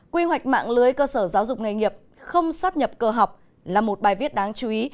quy hoạch mạng lưới cơ sở giáo dục nghề nghiệp không sát nhập cơ học là một bài viết đáng chú ý